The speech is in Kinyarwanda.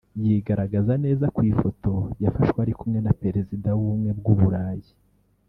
yigaragaza neza ku ifoto yafashwe ari kumwe na Perezida w’Ubumwe bw’u Burayi